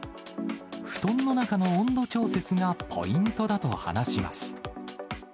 布団の中の温度調節がポイントだと話します。